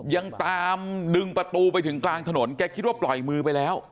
ยังตามดึงประตูไปถึงกลางถนนแกคิดว่าปล่อยมือไปแล้ว